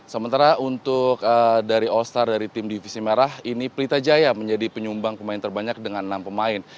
sementara untuk dari all star dari tim divisi merah ini pelita jaya menjadi penyumbang pemain terbanyak dengan enam pemain